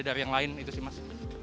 dari yang lain itu sih mas